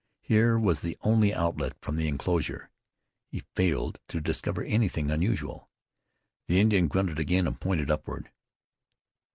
Here was the only outlet from the inclosure. He failed to discover anything unusual. The Indian grunted again, and pointed upward.